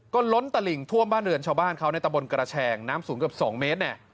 ก็ล้นตลิ่งท่วมบ้านเรือนชาวบ้านเขาในตะบนกระแชงน้ำสูงเกือบ๒เมตรเนี่ย